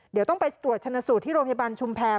เดี๋ยวต้องไปตรวจชนะสูตรที่โรงพยาบาลชุมแพร